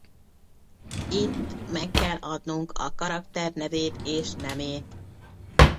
Itt meg kell adnunk a karakter nevét és nemét.